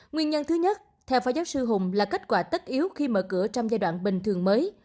nguyên nhân thứ nhất theo phó giáo sư hùng là kết quả tất yếu khi mở cửa trong giai đoạn bình thường mới